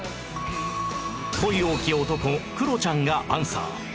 恋多き男クロちゃんがアンサー